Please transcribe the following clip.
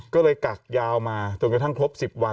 ก็เลยกักยาวมาจนกระทั่งครบ๑๐วัน